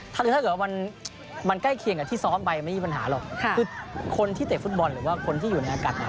ถ้าเกิดว่ามันใกล้เคียงกับที่ซ้อมไปไม่มีปัญหาหรอกคือคนที่เตะฟุตบอลหรือว่าคนที่อยู่ในอากาศ